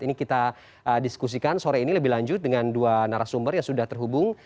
ini kita diskusikan sore ini lebih lanjut dengan dua narasumber yang sudah terhubung